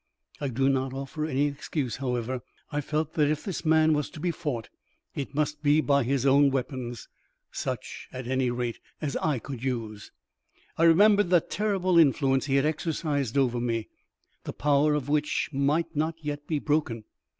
I do not offer any excuse, however. I felt that if this man was to be fought, it must be by his own weapons; such, at any rate, as I could use. I remembered the terrible influence he had exercised over me, the power of which might not yet be broken.